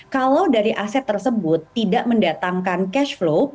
kalau dari aset tersebut tidak mendatangkan cash flow